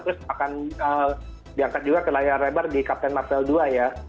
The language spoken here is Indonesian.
terus akan diangkat juga ke layar lebar di kapten marvel ii ya